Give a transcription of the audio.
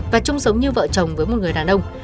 và chung sống như vợ chồng với một người đàn ông